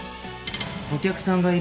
お客さんがいる。